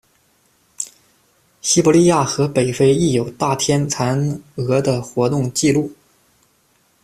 西伯利亚和北非亦有大天蚕蛾的活动纪录。